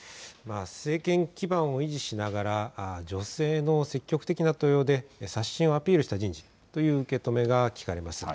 政権基盤を維持しながら、女性の積極的な登用で刷新をアピールした人事という受け止めが聞かれます。